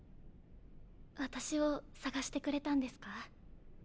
私を探してくれたんですか？